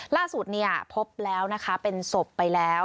ล่าสุดพบแล้วนะคะเป็นศพไปแล้ว